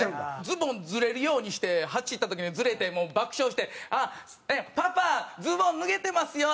ズボンずれるようにして走った時にずれて爆笑して「あっパパズボン脱げてますよ！」。